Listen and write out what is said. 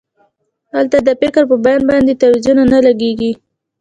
هلته د فکر په بیان باندې بندیزونه نه لګیږي.